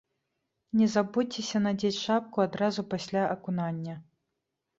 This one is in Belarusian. Не забудзьцеся надзець шапку адразу пасля акунання.